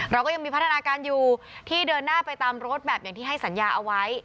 เราก็ยังมีพัฒนาการอยู่ที่เดินหน้าไปตามรถแบบอย่างที่ให้สัญญาเอาไว้